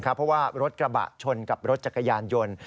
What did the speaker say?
เพราะว่ารถกระบะชนกับรถจักรยานยนต์